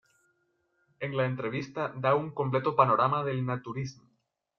En la entrevista, da un completo panorama del "naturismo".